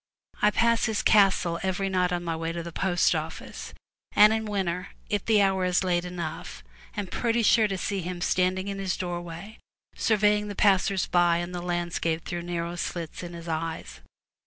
I pass his castle every night on my way to the post office, and in winter, if the hour is late enough, am pretty sure to see him stand ing in his doorway, surveying the passers by and the landscape through narrow slits in his eyes.